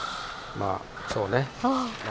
まあそうね。